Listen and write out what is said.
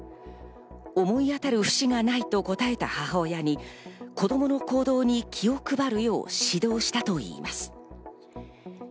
思い当たる節がないと答えた母親に、子供の行動に気を配るよう指導したといいます。